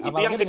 itu yang kedua